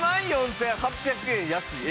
３万４８００円安い。